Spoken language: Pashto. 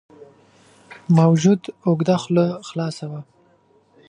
موجود اوږده خوله خلاصه وه.